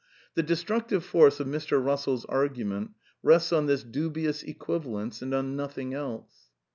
The destructive force of Mr. Bussell's argument rests on this dubious equivalence and on nothing else.